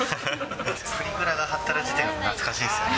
プリクラが貼ってある時点で懐かしいですよね。